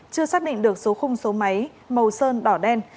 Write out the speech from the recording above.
chưa xác định được số khung số máy màu sơn đỏ đen